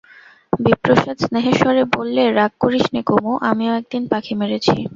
বিপ্রদাস স্নেহের স্বরে বললে, রাগ করিস নে কুমু, আমিও একদিন পাখি মেরেছি।